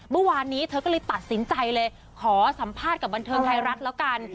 เมื่อวานนี้เธอก็เลยตัดสินใจเลยขอสัมภาษณ์กับบันเทิงไทยรัฐแล้วกัน